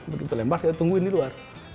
begitu lembar kita tungguin di luar